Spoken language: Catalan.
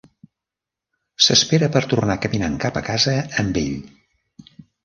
S'espera per tornar caminant cap a casa amb ell.